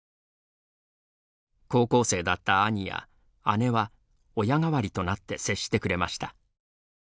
高校生だった兄や、姉は親代わりとなって接してくれました。